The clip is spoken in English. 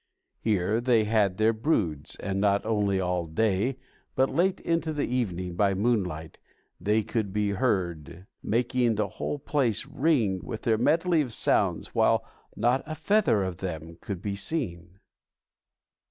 Here they had their broods, and not only all day, but late in the evening by moonlight they could be heard, making the whole place ring with their medley of sounds, while not a feather of them could be seen.